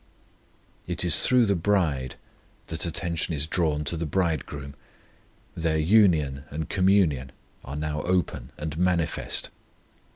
It is through the bride that attention is drawn to the Bridegroom; their union and communion are now open and manifest.